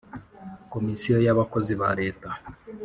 Komisiyo y abakozi ba Leta